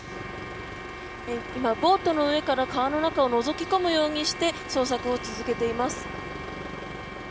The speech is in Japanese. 今、ボートの上から川の中をのぞき込むようにして捜索を続けています。